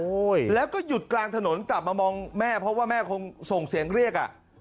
แล้วก็หยุดกลางถนนกลับมามองแม่เพราะว่าแม่คงส่งเสียงเรียกอ่ะ